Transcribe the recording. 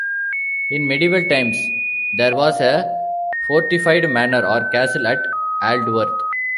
In medieval times there was a fortified manor or castle at Aldworth.